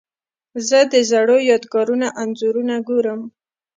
زه د زړو یادګارونو انځورونه ګورم.